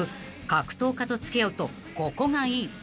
［格闘家と付き合うとここがいい］